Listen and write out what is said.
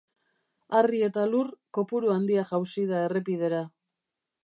Harri eta lur kopuru handia jausi da errepidera.